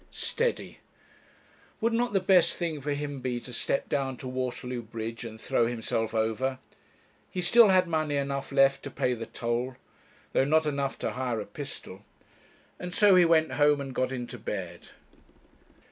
Steady! Would not the best thing for him be to step down to Waterloo Bridge and throw himself over? He still had money enough left to pay the toll though not enough to hire a pistol. And so he went home and got into bed.